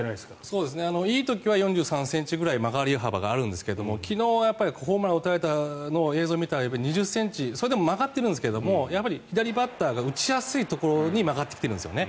いい時は４３ｃｍぐらい曲がり幅があるんですが昨日はホームランを打たれた映像を見ると２０ｃｍそれでも曲がってるんですけどやっぱり左バッターが打ちやすいところに曲がってきてるんですよね。